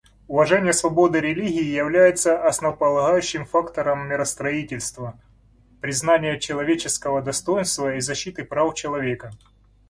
Уважение свободы религии является основополагающим фактором миростроительства, признания человеческого достоинства и защиты прав человека.